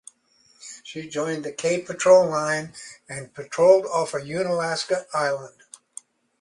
She joined the "K" patrol line and patrolled off Unalaska Island.